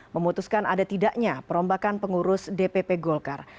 memutuskan ada tidaknya perombakan pengurus dpp golkar